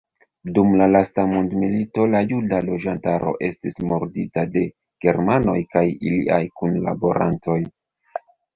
Dum la lasta mondmilito la juda loĝantaro estis murdita de germanoj kaj iliaj kunlaborantoj.